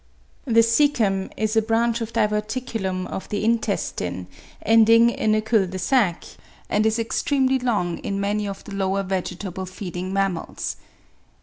The caecum is a branch or diverticulum of the intestine, ending in a cul de sac, and is extremely long in many of the lower vegetable feeding mammals.